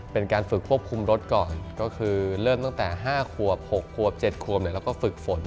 เป็นการฝึกควบคุมรถก่อนก็คือเริ่มตั้งแต่๕ขวบ๖ขวบ๗ขวบแล้วก็ฝึกฝน